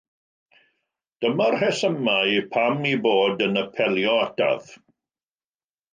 Dyma'r rhesymau pam eu bod yn apelio ataf.